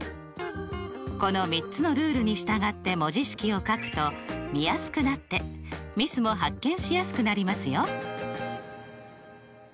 この３つのルールに従って文字式を書くと見やすくなってミスも発見しやすくなりますよ。